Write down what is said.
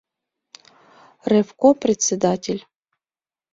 Ревком председатель.